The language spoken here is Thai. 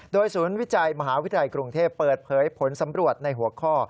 โดยศูนย์วิจัยมหาวิทยาลัยกรุงเทพเปิดเผยผลสำรวจในหัวข้อ